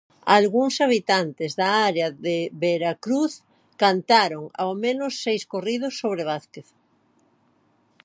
Algunos habitantes del área de Veracruz cantaron al menos seis corridos sobre Vázquez.